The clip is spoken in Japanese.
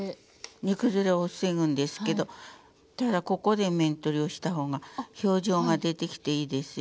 煮崩れを防ぐんですけどただここで面取りをした方が表情が出てきていいですよほら。